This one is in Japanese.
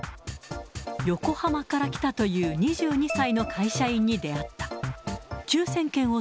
横浜から来たという２２歳の会社員に出会った。